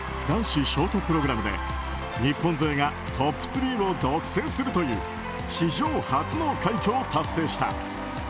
男子ショートプログラムで日本勢がトップ３を独占するという史上初の快挙を達成した。